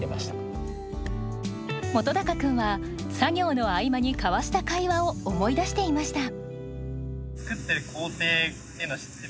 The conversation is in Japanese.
本君は作業の合間に交わした会話を思い出していました。